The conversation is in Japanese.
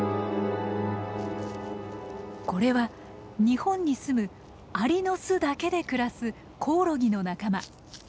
これは日本にすむアリの巣だけで暮らすコオロギの仲間。